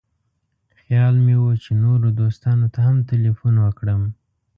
خیال مې و چې نورو دوستانو ته هم تیلفون وکړم.